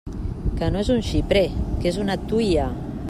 Que no és un xiprer, que és una tuia!